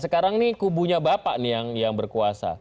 sekarang ini kubunya bapak yang berkuasa